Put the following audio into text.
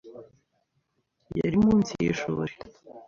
Yari munsi yishuri.